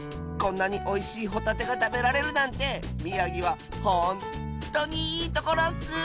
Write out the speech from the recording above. こんなにおいしいホタテがたべられるなんてみやぎはほんとにいいところッス！